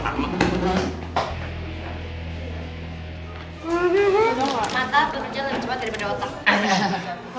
mantap kerja lebih cepet daripada otak